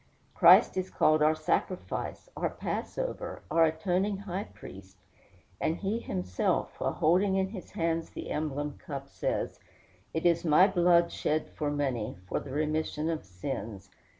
Christ is called our sacrifice, our passover, our atoning high priest; and he himself, while holding in his hands the emblem cup, says, "It is my blood shed for many, for the remission of sins."